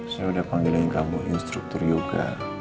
saya udah panggilin kamu instruktur yoga